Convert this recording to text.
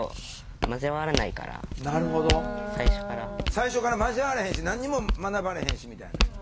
最初から交われへんし何にも学ばれへんしみたいな？